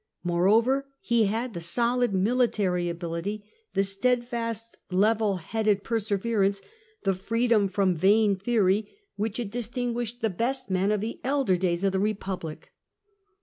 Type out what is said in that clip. Moreover, he had the solid military ability, the steadfast level headed ])er severance, the freedom from vain theory, which had CHARACTER OE SULLA 117 distingiiislied the best men of the elder days of the Republic.